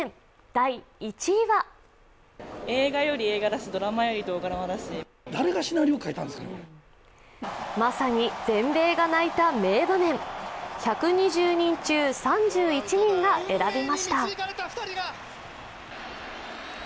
第１位はまさに全米が泣いた名場面、１２０人中３１人が選びました。